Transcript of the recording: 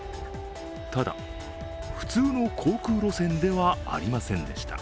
ただ、普通の航空路線ではありませんでした。